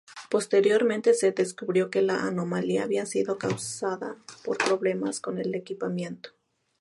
Posteriormente se descubrió que la anomalía había sido causada por problemas con el equipamiento.